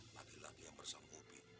pada lagi yang bersama upi